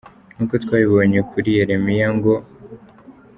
Nkuko twabibonye kuri Yeremiya ngo “….